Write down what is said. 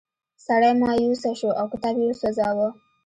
سړی مایوسه شو او کتاب یې وسوځاوه.